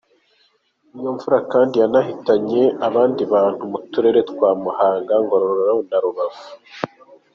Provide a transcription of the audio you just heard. Iyo mvura kandi yanahitanye abandi bantu mu Turere twa Muhanga, Ngororero na Rubavu.